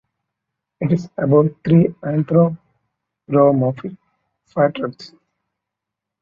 It is about three anthropomorphic fire trucks.